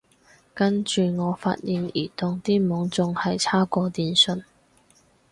跟住我發現移動啲網仲係差過電信